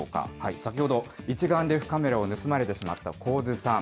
先ほど、一眼レフカメラを盗まれてしまった高津さん。